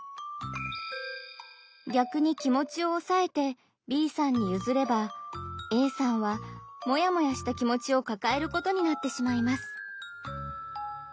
逆に気持ちをおさえてＢさんにゆずればＡさんはモヤモヤした気持ちをかかえることになってしまいます。